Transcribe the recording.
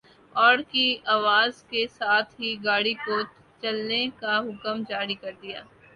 اور کی آواز کے ساتھ ہی گاڑی کو چلنے کا حکم جاری کر دیا ۔